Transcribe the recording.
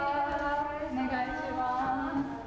お願いします。